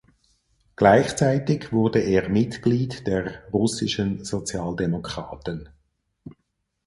Gleichzeitig wurde er Mitglied der russischen Sozialdemokraten.